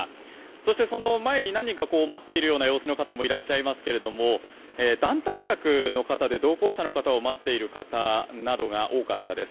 そして、その前に何人か待っている様子の方もいらっしゃいますけど団体客の方で同行者の方を待っている方などが多かったです。